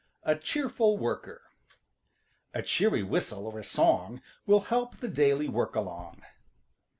A CHEERFUL WORKER ````A cheery whistle or a song ````Will help the daily work along.